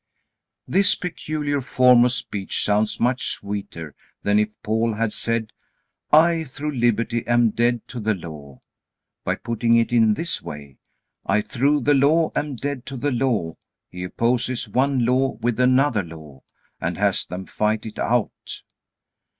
This peculiar form of speech sounds much sweeter than if Paul had said: "I through liberty am dead to the law." By putting it in this way, "I through the law am dead to the law," he opposes one law with another law, and has them fight it out.